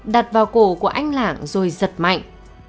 đặt vào cổ của anh lạng rồi giật mạnh